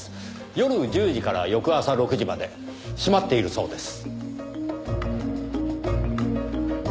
夜１０時から翌朝６時まで閉まっているそうです。